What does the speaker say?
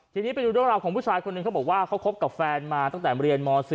ทีนี้ไปดูเรื่องราวของผู้ชายคนหนึ่งเขาบอกว่าเขาคบกับแฟนมาตั้งแต่เรียนม๔